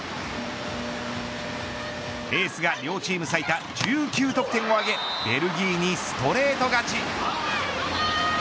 エースが両チーム最多１９得点を挙げベルギーにストレート勝ち。